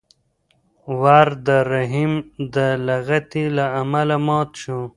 ور د رحیم د لغتې له امله مات شو.